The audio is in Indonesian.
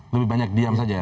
lebih banyak diam saja ya